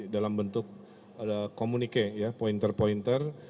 dalam bentuk komunike ya pointer pointer